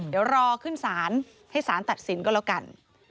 เดี๋ยวรอขึ้นศาลให้สารตัดสินก็แล้วกัน